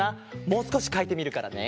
もうすこしかいてみるからね。